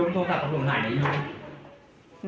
นี่นะคะคือจับไปได้แล้วสาม